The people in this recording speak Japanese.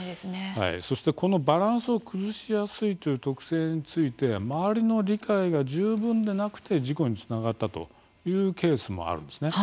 そして、このバランスを崩しやすいという特性について周りの理解が十分でなくて事故につながったというケースもあるんです。